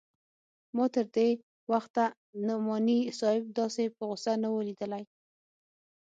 ما تر دې وخته نعماني صاحب داسې په غوسه نه و ليدلى.